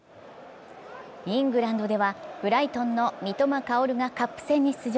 イングランドではブライトンの三笘薫がカップ戦に出場。